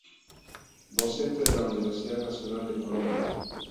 Docente de la Universidad Nacional de Colombia.